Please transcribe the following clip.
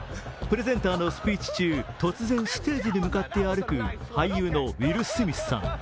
プレゼンターのスピーチ中突然ステージに向かって歩く、俳優のウィル・スミスさん。